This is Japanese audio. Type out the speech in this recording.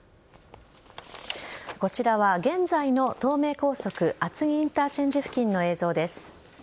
こちらは現在の東名高速厚木インターチェンジ付近の映像です。